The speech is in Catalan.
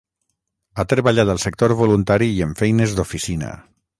Ha treballat al sector voluntari i en feines d'oficina.